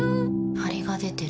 ハリが出てる。